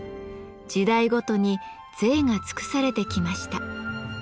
時代ごとに贅が尽くされてきました。